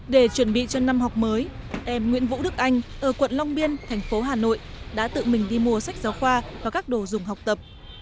để chuẩn bị cho năm học mới em nguyễn vũ đức anh ở quận long biên thành phố hà nội đã tự mình đi mua sách giáo khoa và các đồ dùng học tập